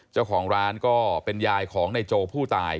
เจ้าของร้านก็เป็นยายของนายโจผู้ตาย